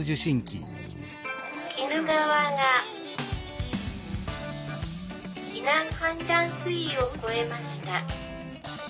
「鬼怒川が避難判断水位を超えました」。